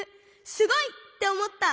すごい！」っておもった！